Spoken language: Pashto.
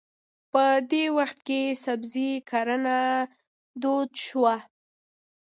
په دې وخت کې سبزي کرنه دود شوه.